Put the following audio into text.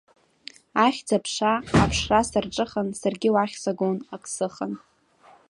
Ахьӡ-аԥша, аԥшра сарҿыхан, саргьы уахь сагон ак сыхан.